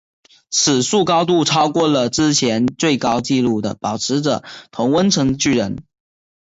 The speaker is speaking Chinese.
此树高度超过了之前最高纪录的保持者同温层巨人。